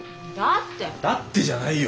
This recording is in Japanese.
だってじゃないよ。